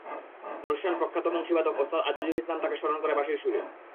অনুষ্ঠানে প্রখ্যাত বংশীবাদক ওস্তাদ আজিজুল ইসলাম তাঁকে স্মরণ করেন বাঁশির সুরে।